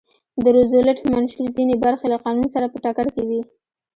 د روزولټ منشور ځینې برخې له قانون سره په ټکر کې وې.